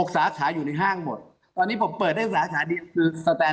๑๖สาขาอยู่ในห้างหมดตอนนี้ผมไม่ได้เปิดสาขาเดียว